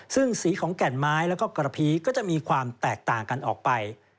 ซึ่งสีของแก่นไม้แล้วก็กระพีก็จะมีความแตกต่างกันออกไป